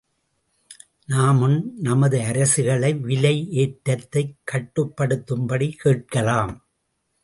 நாமும் நமது அரசுகளை விலை ஏற்றத்தைக் கட்டுப்படுத்தும்படி கேட்கலாம்.